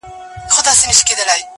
اوس به كومه تورپېكۍ پر بولدك ورسي،